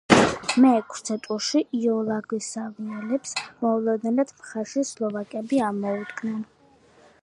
მეექვსე ტურში იუგოსლავიელებს მოულოდნელად მხარში სლოვაკები ამოუდგნენ.